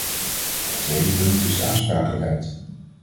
Het tweede punt is de aansprakelijkheid.